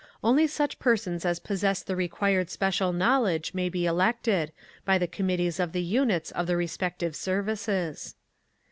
only such persons as possess the required special knowledge may be elected, by the Committees of the units of the respective services.